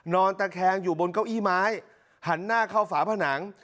นอนตะแคงอยู่บนเก้าอี้ไม้หันหน้าเข้าฝาผนัง